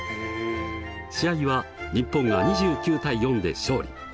試合は日本が２９対４で勝利。